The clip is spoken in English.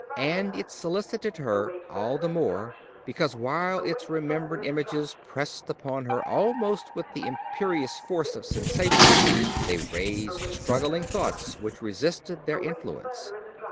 And it solicited her all the more, because while its remembered images pressed upon her almost with the imperious force of sensations, they raised struggling thoughts which resisted their influence.